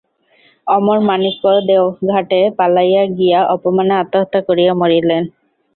অমরমাণিক্য দেওঘাটে পালাইয়া গিয়া অপমানে আত্মহত্যা করিয়া মরিলেন।